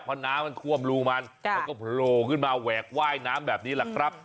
เพราะน้ำมันท่วมรูมันมันก็โผล่ขึ้นมาแหวกว่ายน้ำแบบนี้แหละครับ